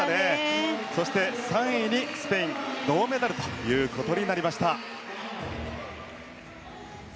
そして３位にスペイン銅メダルということになりました。